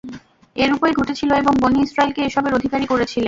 এরূপই ঘটেছিল এবং বনী ইসরাঈলকে এসবের অধিকারী করেছিলাম।